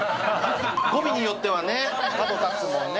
語尾によってはね、かど立つもんね。